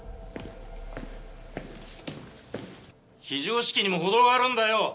非常識にも程があるんだよ。